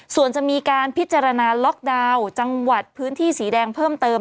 ส่วนจะมีการพิจารณาล็อกดาวน์จังหวัดพื้นที่สีแดงเพิ่มเติม